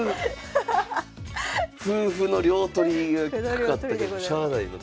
歩歩の両取りがかかったけどしゃあないな。